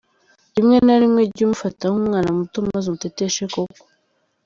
Muteteshe: Rimwe na rimwe jya umufata nk’umwana muto maze umuteteshe koko.